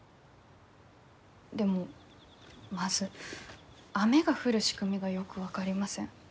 でもまず雨が降る仕組みがよく分かりません。